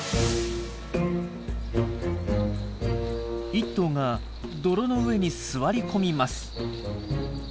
１頭が泥の上に座り込みます。